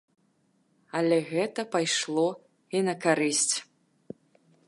Але гэта пайшло і на карысць.